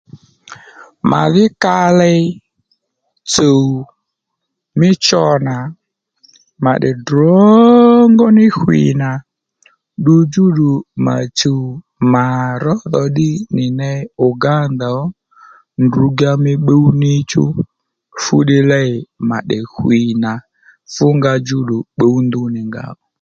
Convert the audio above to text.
Mà dhí kaley tsùw mí cho nà mà tdè drǒngó ní hwî nà ddu djúddù mà chùw mà ródho ddí nì ney Uganda ó ndrǔdjá mí pbúw níchú fúddiy lêy mà tdè hwî nà fú nga djúddù pbǔw ndu nì nga ò